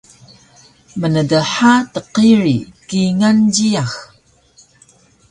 mndha tqiri kingal jiyax